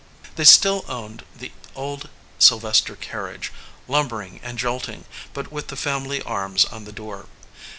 They still owned the old Sylvester carriage, lum bering and jolting, but with the family arms on the door.